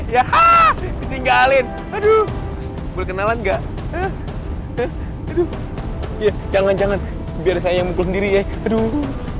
ya hah tinggalin aduh berkenalan enggak ya jangan jangan biar saya mungkul sendiri ya aduh